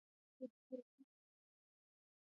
وحشي حیوانات د افغانستان د صادراتو برخه ده.